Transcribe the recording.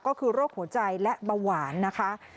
ก็คือโรคหัวใจและเบาหวานนะคะ